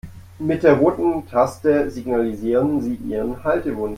Mit der roten Taste signalisieren Sie Ihren Haltewunsch.